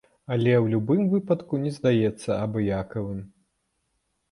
Але ў любым выпадку не застацца абыякавым.